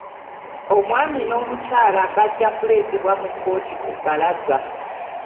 Omwami n'omukyala bajja kuleteebwa mu kkooti ku bbalaza.